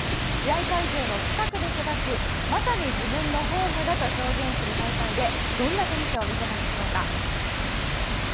試合会場の近くで育ちまさに自分のホームだと表現する大会でどんなテニスを見せたんでしょうか。